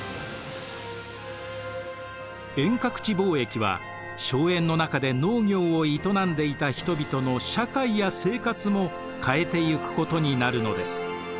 遠隔地貿易は荘園の中で農業を営んでいた人々の社会や生活も変えていくことになるのです。